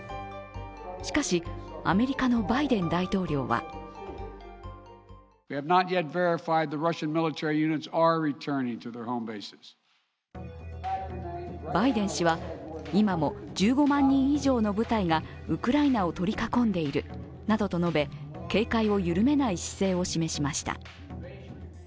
しかし、アメリカのバイデン大統領はバイデン氏は、今も１５万人以上の部隊がウクライナを取り囲んでいるなどと述べ警戒を緩めない姿勢を示しました。